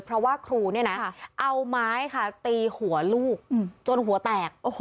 เพราะว่าครูเนี่ยนะเอาไม้ค่ะตีหัวลูกจนหัวแตก